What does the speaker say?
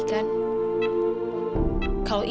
aku mau pergi